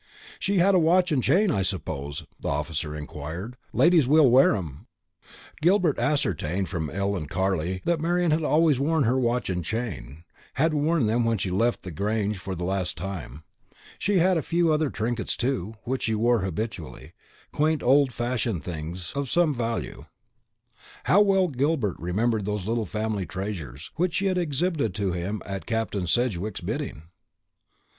"She had a watch and chain, I suppose?" the officer inquired. "Ladies will wear 'em." Gilbert ascertained from Ellen Carley that Marian had always worn her watch and chain, had worn them when she left the Grange for the last time. She had a few other trinkets too, which she wore habitually, quaint old fashioned things, of some value. How well Gilbert remembered those little family treasures, which she had exhibited to him at Captain Sedgewick's bidding!